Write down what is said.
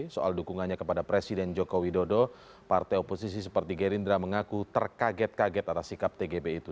soal dukungannya kepada presiden joko widodo partai oposisi seperti gerindra mengaku terkaget kaget atas sikap tgb itu